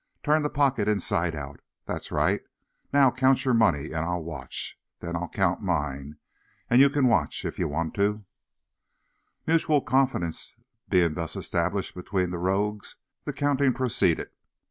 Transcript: Turn the pocket inside out. That's right. Now, you count your money, an' I'll watch. Then I'll count mine, an' you can watch, if ye wanter." Mutual confidence being thus established between the rogues, the counting proceeded.